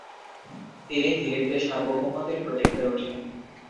তিনি ধীরে ধীরে সার্বভৌমত্বের প্রতীক হয়ে ওঠেন।